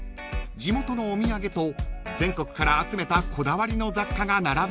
［地元のお土産と全国から集めたこだわりの雑貨が並ぶお店です］